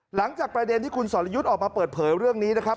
หลังจากประเด็นที่คุณสรยุทธ์ออกมาเปิดเผยเรื่องนี้นะครับ